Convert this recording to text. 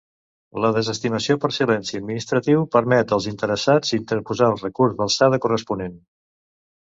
La desestimació per silenci administratiu permet als interessats interposar el recurs d'alçada corresponent.